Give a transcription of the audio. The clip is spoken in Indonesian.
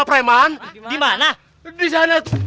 aduh ini mampus ya